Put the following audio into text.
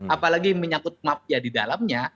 apalagi menyangkut mafia di dalamnya